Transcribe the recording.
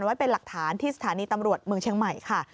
ไว้เป็นหลักฐานที่สถานีตำรวจเมืองเชียงใหม่ค่ะ